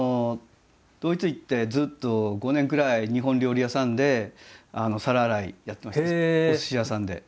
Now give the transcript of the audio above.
ドイツ行ってずっと５年くらい日本料理屋さんで皿洗いやってましたお寿司屋さんで。